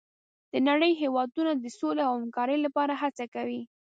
د نړۍ هېوادونه د سولې او همکارۍ لپاره هڅه کوي.